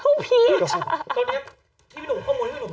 ตอนนี้ที่พี่หนุ่มเข้าหมุนที่พี่หนุ่มเข้าหมุน